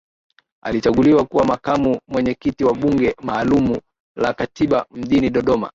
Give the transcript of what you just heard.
Alichaguliwa kuwa makamu mwenyekiti wa Bunge maalum la Katiba mjini Dodoma